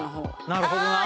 なるほどな。